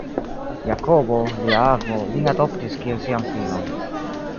Jakobo, lia avo, lin adoptis kiel sian filon.